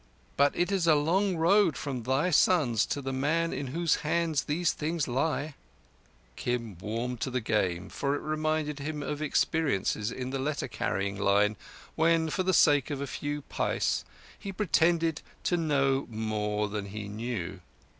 But it is a long road from thy sons to the man in whose hands these things lie." Kim warmed to the game, for it reminded him of experiences in the letter carrying line, when, for the sake of a few pice, he pretended to know more than he knew.